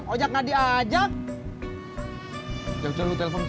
ojak nadi ajak ya udah lu telepon